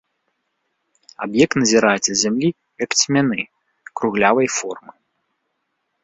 Аб'ект назіраецца з зямлі як цьмяны, круглявай формы.